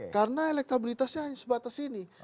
karena elektabilitasnya hanya sebatas ini